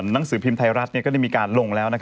หนังสือพิมพ์ไทยรัฐก็ได้มีการลงแล้ว